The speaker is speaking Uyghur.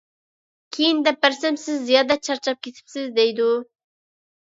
كېيىن دەپ بەرسەم، سىز زىيادە چارچاپ كېتىپسىز دەيدۇ.